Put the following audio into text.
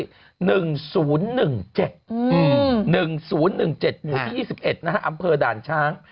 ๑๐๑๗เลขที่๒๑นะฮะอำเภอด่านช้าง